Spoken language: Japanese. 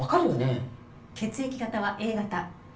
血液型はＡ型。